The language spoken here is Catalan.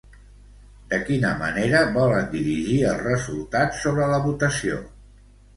De quina manera volen dirigir el resultat sobre la votació?